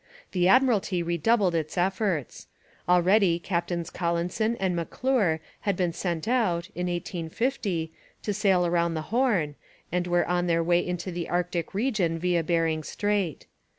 The Admiralty redoubled its efforts. Already Captains Collinson and M'Clure had been sent out (in 1850) to sail round the Horn, and were on their way into the Arctic region via Bering Strait.